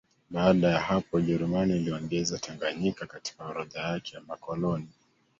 Baada ya hapo Ujerumani iliongeza Tanganyika katika orodha yake ya makoloni